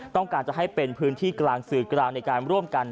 ต้องการจะให้เป็นพื้นที่กลางสื่อกลางในการร่วมกัน